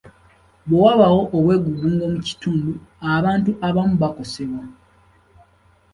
Bwe wabaawo obwegugungo mu kitundu, abantu abamu bakosebwa.